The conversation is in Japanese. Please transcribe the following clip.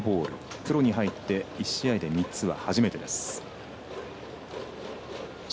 プロに入って１試合で３つは初めてです。